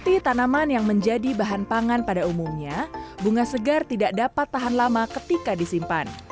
seperti tanaman yang menjadi bahan pangan pada umumnya bunga segar tidak dapat tahan lama ketika disimpan